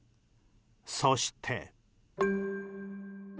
そして。